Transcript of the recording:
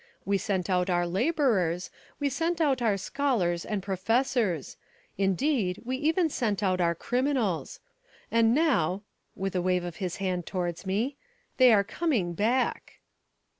We sent out our labourers, we sent out our scholars and professors. Indeed we even sent out our criminals. And now," with a wave of his hand towards me, "they are coming back."